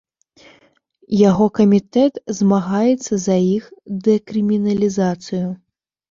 Яго камітэт змагаецца за іх дэкрыміналізацыю.